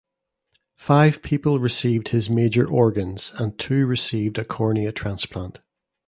Five people received his major organs, and two received a cornea transplant.